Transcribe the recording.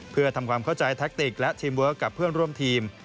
เพื่อทำความเข้าใจแท็กติกและทีมเวิร์คกับเพื่อนร่วมทีม